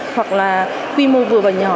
hoặc là quy mô vừa và nhỏ